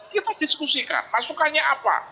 kita diskusikan masukannya apa